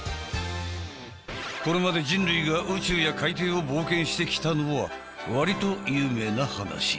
これまで人類が宇宙や海底を冒険してきたのは割と有名な話。